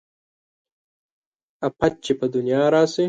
افت چې په دنيا راشي